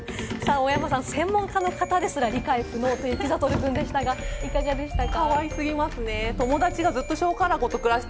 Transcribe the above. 大山さん、専門家の方ですら理解不能というピザトルくんでしたが、いかがでしたか？